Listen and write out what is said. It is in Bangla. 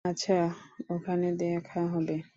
আচ্ছা, ওখানে দেখা হবে।